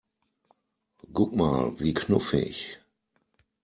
Guck mal, wie knuffig!